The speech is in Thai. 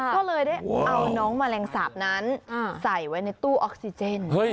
ก็เลยได้เอาน้องแมลงสาปนั้นใส่ไว้ในตู้ออกซิเจน